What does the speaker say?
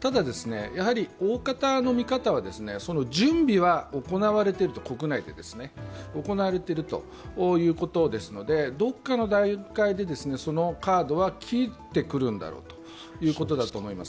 ただ、おおかたの見方は準備は行われていると国内で、ということですのでどこかの段階でそのカードは切ってくるんだろうということだと思います。